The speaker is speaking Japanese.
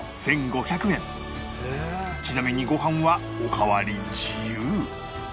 ちなみにご飯はおかわり自由